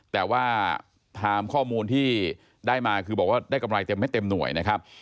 แต่ว่าถามข้อมูลที่ได้มาคือบอกว่าได้กำไรเต็มไม่เต็มหน่วยนะครับ